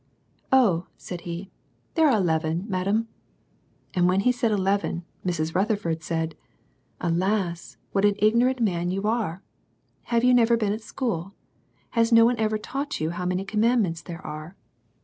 " Oh," said he, " there are eleven^ madam." And when he said "eleven," Mrs. Rutherford said, " Alas, what an ignorant man you are ! Have you never been at school? has no one ever taught you how many commandments there are